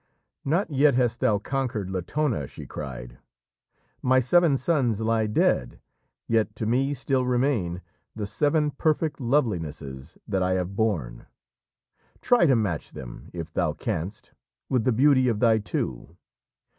"Not yet hast thou conquered, Latona!" she cried. "My seven sons lie dead, yet to me still remain the seven perfect lovelinesses that I have borne. Try to match them, if thou canst, with the beauty of thy two!